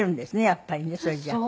やっぱりねそれじゃあ。